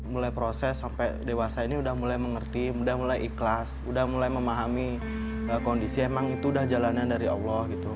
mulai proses sampai dewasa ini udah mulai mengerti udah mulai ikhlas udah mulai memahami kondisi emang itu udah jalanan dari allah gitu